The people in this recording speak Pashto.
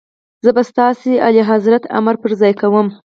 زه به ستاسي اعلیحضرت امر پر ځای کوم.